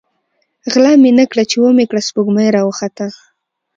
ـ غله مې نه کړه ،چې ومې کړه سپوږمۍ راوخته.